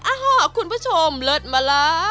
อ่าห้อคุณผู้ชมเลิศมาละ